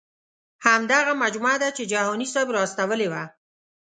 همدغه مجموعه ده چې جهاني صاحب را استولې وه.